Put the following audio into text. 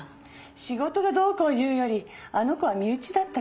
仕事がどうこういうよりあの子は身内だったから。